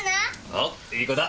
おういい子だ。